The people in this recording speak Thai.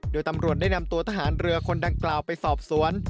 โดยตำรวจได้นำตัวทหารเรือคนดังกล่าวไปสอบสวน